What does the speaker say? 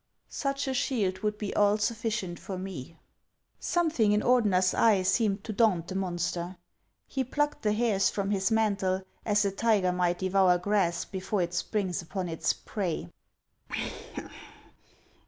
" Such a shield would be all sufficient for me." Something in Ordeuer's eye seemed to daunt the mon ster. He plucked the hairs from his mantle, as a tiger might devour grass before it springs upon its prey.